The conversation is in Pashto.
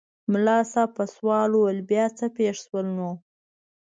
ملا صاحب په سوال وویل بیا څه پېښ شول نو؟